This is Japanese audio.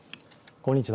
こんにちは。